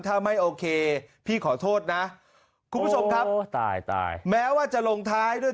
ถ้าไม่โอเคพี่ขอโทษนะคุณผู้ชมครับโอ้ตายตายแม้ว่าจะลงท้ายด้วย